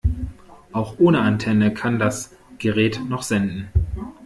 Auch ohne Antenne kann das Gerät noch senden.